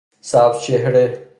سبز چهره